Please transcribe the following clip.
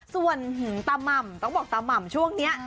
ส่วนตาม่ำต้องบอกตาม่ำช่วงนี้